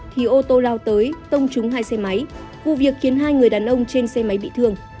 thì ô tô lao tới tông trúng hai xe máy vụ việc khiến hai người đàn ông trên xe máy bị thương